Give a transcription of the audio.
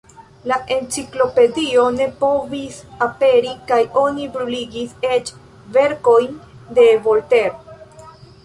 La Enciklopedio ne povis aperi kaj oni bruligis eĉ verkojn de Voltaire.